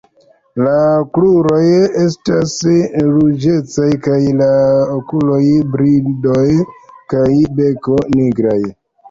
La kruroj estas ruĝecaj kaj la okuloj, bridoj kaj beko nigraj.